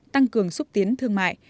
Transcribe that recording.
tăng cường xúc tiến thương mại